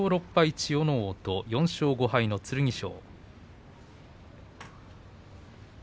千代ノ皇と４勝５敗の剣翔。